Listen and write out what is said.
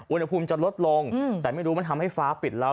อุณหภูมิจะลดลงแต่ไม่รู้มันทำให้ฟ้าปิดแล้ว